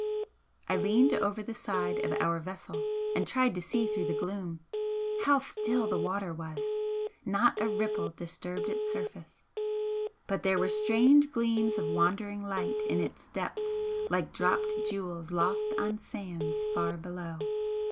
I leaned over the side of our vessel and tried to see through the gloom. How still the water was! not a ripple disturbed its surface. But there were strange gleams of wandering light in its depths like dropped jewels lost on sands far below.